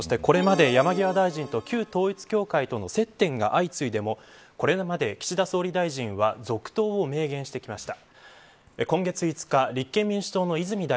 そして、これまで山際大臣と旧統一教会との接点が相次いでもこれまで岸田総理大臣は続投を明言してきました。